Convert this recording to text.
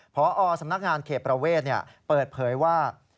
พอสำนักงานเขตประเวทเปิดเผยว่า